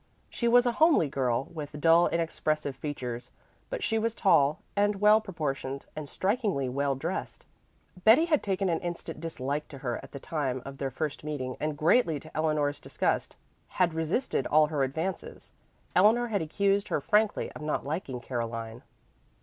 She was a homely girl, with dull, inexpressive features; but she was tall and well proportioned and strikingly well dressed. Betty had taken an instant dislike to her at the time of their first meeting and greatly to Eleanor's disgust had resisted all her advances. Eleanor had accused her frankly of not liking Caroline.